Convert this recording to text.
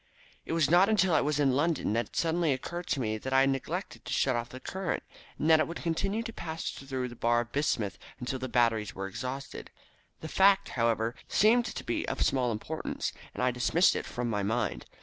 "It was not until I was in London that it suddenly occurred to me that I had neglected to shut off the current, and that it would continue to pass through the bar of bismuth until the batteries were exhausted. The fact, however, seemed to be of small importance, and I dismissed it from my mind.